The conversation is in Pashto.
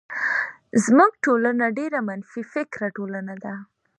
زمونږ ټولنه ډيره منفی فکره ټولنه ده.